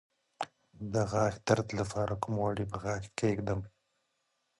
د غاښ درد لپاره کوم غوړي په غاښ کیږدم؟